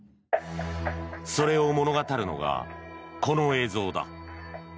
それを物語るのが、この映像だ。